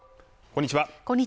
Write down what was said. こんにちは